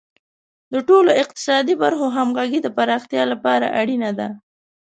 د ټولو اقتصادي برخو همغږي د پراختیا لپاره اړینه ده.